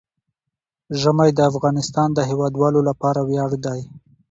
ژمی د افغانستان د هیوادوالو لپاره ویاړ دی.